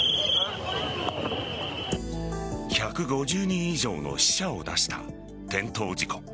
１５０人以上の死者を出した転倒事故。